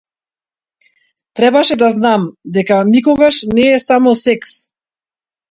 Требаше да знам дека никогаш не е само секс.